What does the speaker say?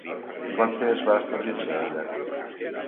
Quant temps van establir-se allà?